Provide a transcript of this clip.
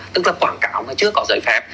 tức là quảng cáo mà chưa có giới phép